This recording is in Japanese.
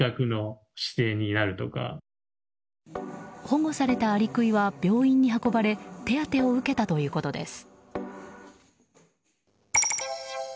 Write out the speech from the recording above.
保護されたアリクイは病院に運ばれ手当てを受けたということです。